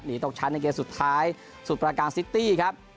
หนีตกชั้นในเกมสุดท้ายสุตรการ์กานซิตี้ครับ